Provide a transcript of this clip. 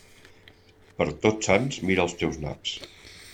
Per Tots Sants, mira els teus naps.